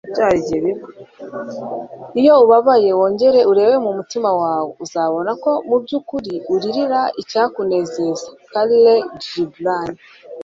iyo ubabaye wongere urebe mu mutima wawe, uzabona ko mu byukuri urira icyakunezeza - khalil gibran